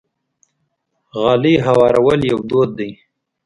غالۍ هوارول یو دود دی.